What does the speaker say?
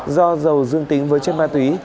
do giàu dương tính với chất ma túy